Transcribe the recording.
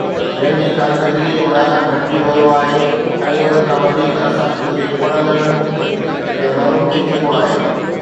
جنهن جي ڪارڪردگيءَ جو معيار گهٽجي ويو آهي ۽ ان کان وڌيڪ اسان جي پڙهندڙن کي معلوم ٿي چڪو آهي